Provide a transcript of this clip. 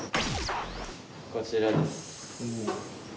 こちらです。